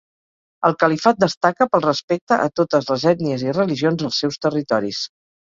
El califat destaca pel respecte a totes les ètnies i religions als seus territoris.